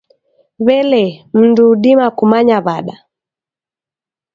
W'ele, mndu udimaa kumanya w'ada?